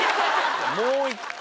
もう１回